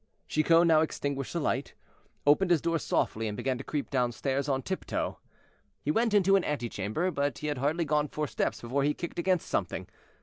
Chicot now extinguished the light, opened his door softly, and began to creep downstairs on tip toe. He went into an antechamber, but he had hardly gone four steps before he kicked against something.